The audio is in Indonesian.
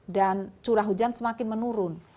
dan curah hujan semakin menurun